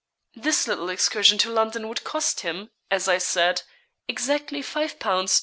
This little excursion to London would cost him, as I said, exactly £5 3_s.